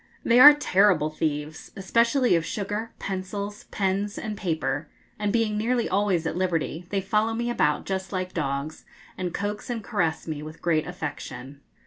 They are terrible thieves, especially of sugar, pencils, pens, and paper, and being nearly always at liberty, they follow me about just like dogs, and coax and caress me with great affection.